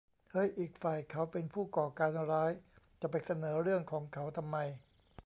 เฮ้ย อีกฝ่ายเขาเป็นผู้ก่อการร้าย จะไปเสนอเรื่องของเขาทำไม ?